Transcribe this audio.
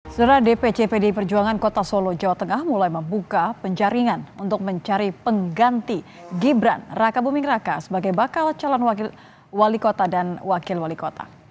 setelah dpc pdi perjuangan kota solo jawa tengah mulai membuka penjaringan untuk mencari pengganti gibran raka buming raka sebagai bakal calon wakil wali kota dan wakil wali kota